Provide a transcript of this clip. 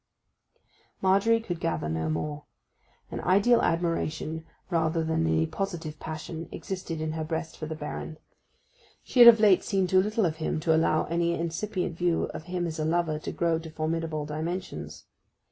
Margery could gather no more. An ideal admiration rather than any positive passion existed in her breast for the Baron: she had of late seen too little of him to allow any incipient views of him as a lover to grow to formidable dimensions.